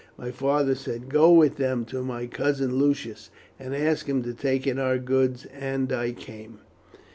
My father said, 'Go with them to my cousin Lucius, and ask him to take in our goods,' and I came."